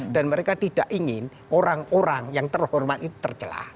dan mereka tidak ingin orang orang yang terhormat itu tercelah